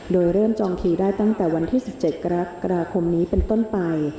โดยเริ่มจองคิวได้ตั้งแต่วันที่๑๗กรกฎาคมนี้เป็นต้นไป